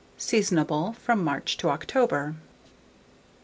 Seasonable from March to October.